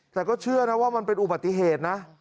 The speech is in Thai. แต่ก็เชื่อนะว่ามันเป็นอุบัติเหตุนะ